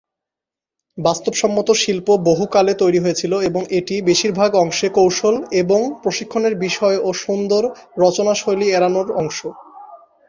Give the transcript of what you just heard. বাস্তবসম্মত শিল্প বহু কালে তৈরি হয়েছিল এবং এটি বেশিরভাগ অংশে কৌশল এবং প্রশিক্ষণের বিষয় এবং সুন্দর রচনাশৈলী এড়ানোর অংশও।